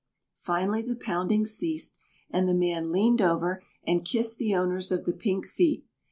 Finally the pounding ceased and the man leaned over and kissed the owners of the pink feet.